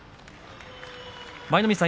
舞の海さん